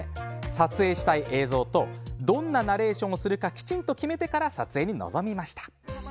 撮影したい映像と、そこにどんなナレーションをするかきちんと決めてから撮影に臨みました。